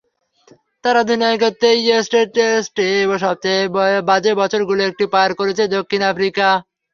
তাঁর অধিনায়কত্বেই টেস্টে সবচেয়ে বাজে বছরগুলোর একটি পার করেছে দক্ষিণ আফ্রিকা।